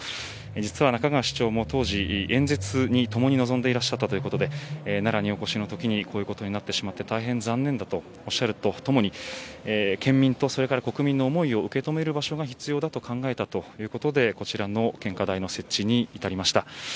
中川市長も当時演説にともに臨んでいたということで奈良にお越しのときにこういうことになってしまい大変残念だとおっしゃるとともに県民と国民の思いを受け止める場所が必要だと考えたということでこちらの献花台に設置に至りました。